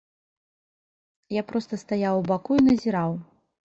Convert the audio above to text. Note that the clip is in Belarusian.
Я проста стаяў у баку і назіраў.